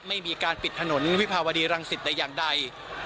ไม่มีการปิดถนนวิภาวดีรังสิตแต่อย่างใด